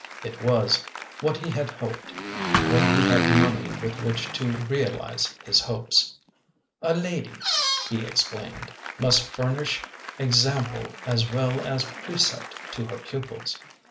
It was what he had hoped, when he had money with which to realize his hopes. " A lady," he explained, " must furnish example as well as precept to her pupils."